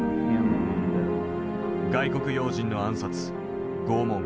外国要人の暗殺拷問